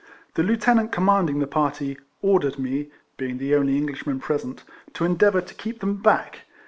The Lieutenant commanding the party, ordered me (being the only Englishman present) to endeavour to keep them back.